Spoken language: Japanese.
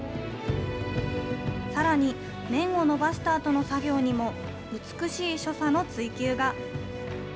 さらに麺を延ばしたあとの作業にも、美しい所作の追求が。